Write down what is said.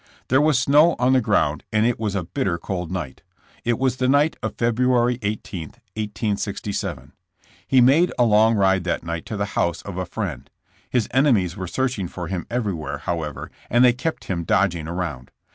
There was snow on the ground and it was a bitter cold night. It was the night of February 18, 1867. He made a long ride that night to the house of a friend. His enemies were searching for him every where, however, and they kept him dodging around.